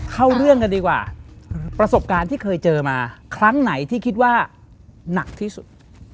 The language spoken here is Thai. เข้าเรื่องกันดีกว่าประสบการณ์ที่เคยเจอมาครั้งไหนที่คิดว่าหนักที่สุด